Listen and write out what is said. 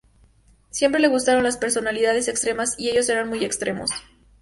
Siempre le gustaron las personalidades extremas y ellos eran muy extremos.